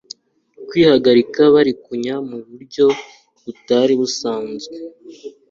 Kwihagarika burikanya muburyo butari busanzwe